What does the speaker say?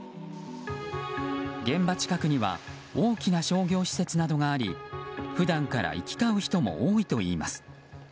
現場近くには大きな商業施設などがあり普段から行き交う人も多いといいます。